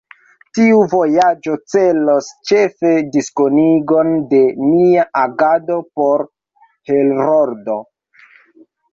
Tiu vojaĝo celos ĉefe diskonigon de nia agado por Heroldo.